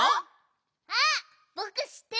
あっぼくしってる！